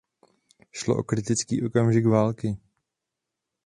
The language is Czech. Šlo o kritický okamžik války.